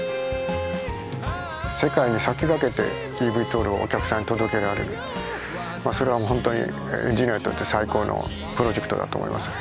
世界に先駆けてｅＶＴＯＬをお客さんに届けられるそれは本当にエンジニアにとって最高のプロジェクトだと思いますね。